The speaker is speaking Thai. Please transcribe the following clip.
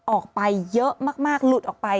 ออกไปเยอะมากหลุดออกไป